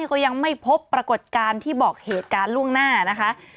ก็ยังไม่พบปรากฏการณ์ที่บอกเหตุการณ์ล่วงหน้านะคะ